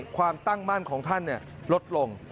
ความตั้งมั่นของท่านลดลง